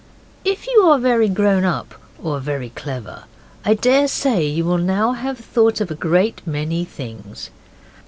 If you are very grown up, or very clever, I daresay you will now have thought of a great many things.